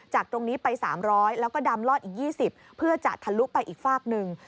จากตรงนี้ไปสามร้อยแล้วก็ดำรอดอีกยี่สิบเพื่อจะทะลุไปอีกฝากหนึ่ง